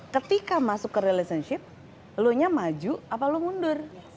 ketika masuk ke relationship lo nya maju apa lo mundur